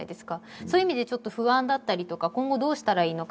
そういう意味でちょっと不安だったり、今後どうしたらいいのか。